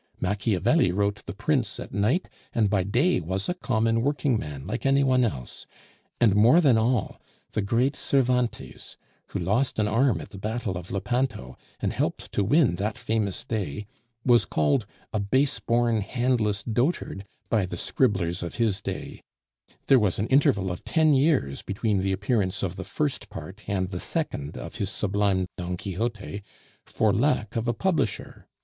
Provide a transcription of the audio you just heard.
Machiavelli wrote The Prince at night, and by day was a common working man like any one else; and more than all, the great Cervantes, who lost an arm at the battle of Lepanto, and helped to win that famous day, was called a 'base born, handless dotard' by the scribblers of his day; there was an interval of ten years between the appearance of the first part and the second of his sublime Don Quixote for lack of a publisher.